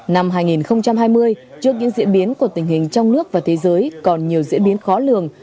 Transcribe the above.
năm hai nghìn hai mươi trước những diễn biến của tình hình trong nước và thế giới còn nhiều diễn biến khó lường